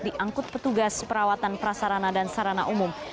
diangkut petugas perawatan prasarana dan sarana umum